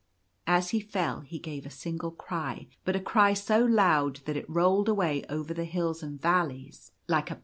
As he fell he gave a single cry, but a cry so loud that it rolled away over the hills and valleys like a t